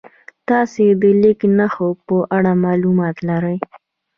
تاسې د لیک نښو په اړه معلومات لرئ؟